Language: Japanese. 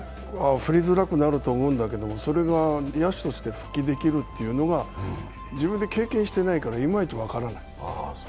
振りずらくなると思うんだけどそれが野手として復帰できるというのが自分で経験してないから、いまいち分からない。